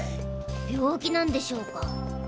病気なんでしょうか？